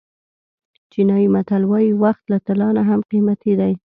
چینایي متل وایي وخت له طلا نه هم قیمتي دی.